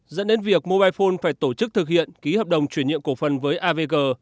dẫn đến việc mobile phone phải tổ chức thực hiện ký hợp đồng chuyển nhiệm cổ phần với avg